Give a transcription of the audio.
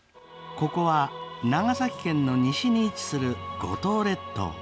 ここは長崎県の西に位置する五島列島。